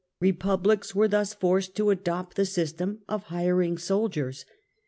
Eepublics were thus forced to adopt the system of hiring soldiers.